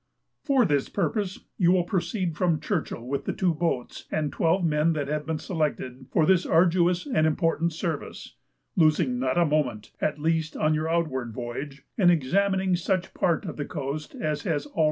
For this purpose you will proceed from Churchill with the two boats, and twelve men that have been selected for this arduous and important service, losing not a moment, at least on your outward voyage, in examining such part of the coast as has already been visited and explored.